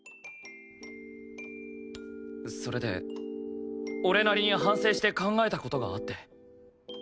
それで俺なりに反省して考えた事があって。